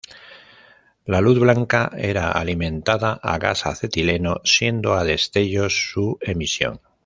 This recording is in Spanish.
La luz blanca era alimentada a gas acetileno, siendo a destellos su emisión.